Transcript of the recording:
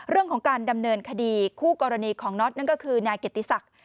เรื่องของการดำเนินคดีคู่กรณีของน็อตนั่นก็คือนายเกียรติศักดิ์